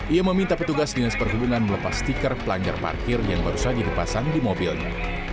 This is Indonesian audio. ia meminta petugas dinas perhubungan melepas stiker pelanjar parkir yang baru saja dipasang di mobilnya